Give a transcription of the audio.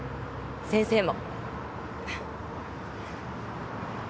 先生も。